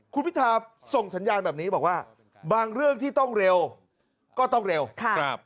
คุณพิธาส่งสัญญาณแบบนี้บอกว่าบางเรื่องที่ต้องเร็วก็ต้องเร็วครับ